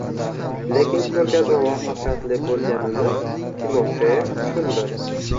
Lekin koʻrgazma muvaffaqiyatli boʻlganini Timofeev tushundi.